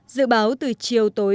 dự báo từ chiều tối